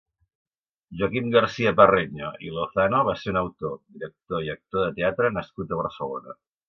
Joaquim García-Parreño i Lozano va ser un autor, director i actor de teatre nascut a Barcelona.